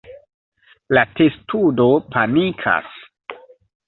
La testudo panikas.